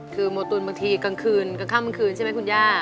คือโมตุนบางทีกลางคืนขึ้นบางที่ใช่ไหมคุณย่า